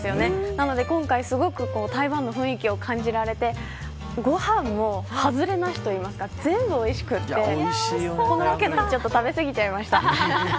なので今回すごく台湾の雰囲気を感じられてご飯もハズレなしと言いますか全部おいしくてちょっと食べすぎちゃいました。